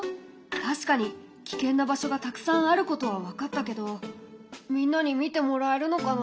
確かに危険な場所がたくさんあることは分かったけどみんなに見てもらえるのかな？